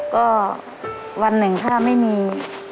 ก็วันหนึ่งถ้าไม่มี